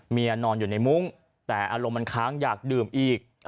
นอนอยู่ในมุ้งแต่อารมณ์มันค้างอยากดื่มอีก